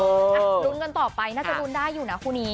ลุ้นกันต่อไปน่าจะลุ้นได้อยู่นะคู่นี้